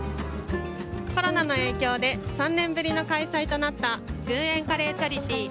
コロナの影響で３年ぶりの開催となった１０円カレーチャリティー。